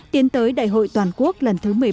tiến tới đại hội toàn quốc lần thứ một mươi ba